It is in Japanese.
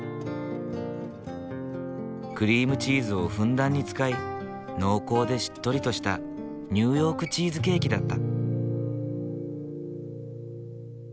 クリームチーズをふんだんに使い濃厚でしっとりとしたニューヨークチーズケーキだった。